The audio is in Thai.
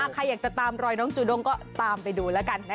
ใครอยากจะตามรอยน้องจูด้งก็ตามไปดูแล้วกันนะ